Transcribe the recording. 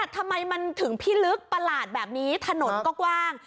ทำไมมันถึงพิลึกประหลาดแบบนี้ถนนก็กว้าง